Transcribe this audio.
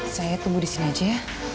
saya tunggu disini aja ya